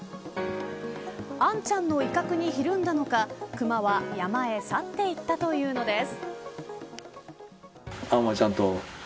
アンちゃんの威嚇にひるんだのか熊は山へ去っていったというのです。